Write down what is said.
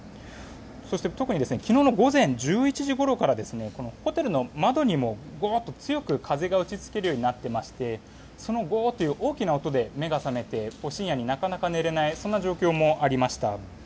そして特に昨日の午前１１時ごろからホテルの窓にもゴーッと強く風が打ちつけるようになっていましてそのゴーという大きな音で目が覚めて深夜になかなか寝れない状況もありました。